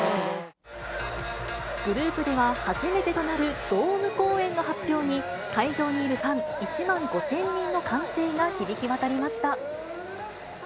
グループでは初めてとなるドーム公演の発表に、会場にいるファン１万５０００人の歓声が響き渡りました。